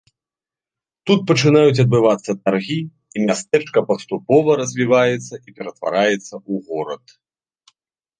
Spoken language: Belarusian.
Тут пачынаюць адбывацца таргі, і мястэчка паступова развіваецца і ператвараецца ў горад.